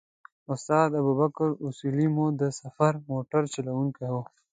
استاد ابوبکر اصولي مو د سفر موټر چلوونکی و.